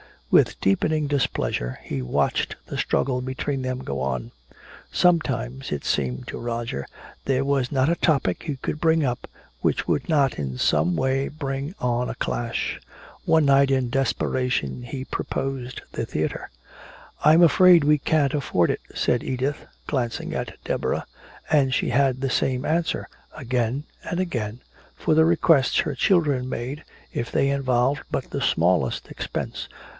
With deepening displeasure he watched the struggle between them go on. Sometimes it seemed to Roger there was not a topic he could bring up which would not in some way bring on a clash. One night in desperation he proposed the theatre. "I'm afraid we can't afford it," said Edith, glancing at Deborah. And she had the same answer, again and again, for the requests her children made, if they involved but the smallest expense.